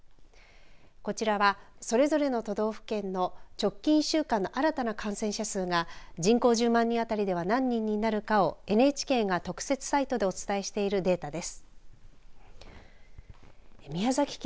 こちらはそれぞれの都道府県の直近１週間の新たな感染者数が人口１０万人当たりでは何人になるかをＮＨＫが特設サイトでお伝えしているデータです。